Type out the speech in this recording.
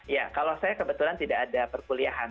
ya kalau saya kebetulan tidak ada perkuliahan